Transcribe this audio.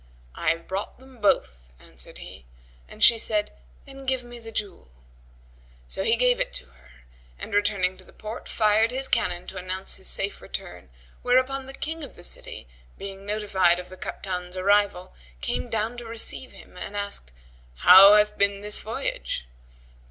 "I have brought them both," answered he; and she said, "Then give me the jewel." So he gave it to her; and, returning to the port, fired his cannon to announce his safe return; whereupon the King of the city, being notified of that Kaptan's arrival, came down to receive him and asked him, "How hath been this voyage?"